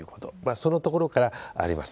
そのところからがあります。